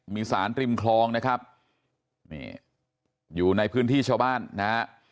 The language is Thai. มีสารริมคลองนะครับนี่อยู่ในพื้นที่ชาวบ้านนะฮะ